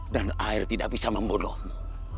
dan air tidak bisa membunuhmu